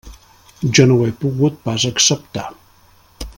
Jo no ho he pogut pas acceptar.